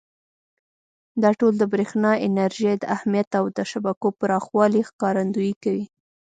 دا ټول د برېښنا انرژۍ د اهمیت او د شبکو پراخوالي ښکارندویي کوي.